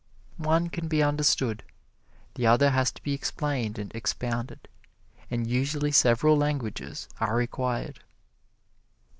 One can be understood; the other has to be explained and expounded, and usually several languages are required.